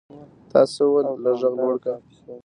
تا څه وویل ؟ لږ ږغ لوړ کړه !